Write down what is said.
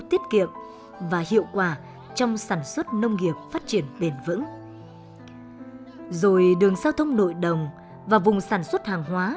về kiên cố hóa kênh mương bê tông hóa đường giao thông nội đồng và vùng sản xuất hàng hóa